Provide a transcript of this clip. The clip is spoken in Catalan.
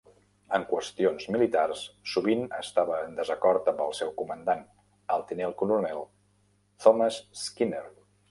En qüestions militars, sovint estava en desacord amb el seu comandant, el tinent coronel Thomas Skinner.